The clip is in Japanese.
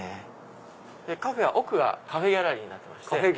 奥がカフェギャラリーになってまして。